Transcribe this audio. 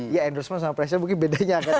ya endorsement sama pressure mungkin bedanya agak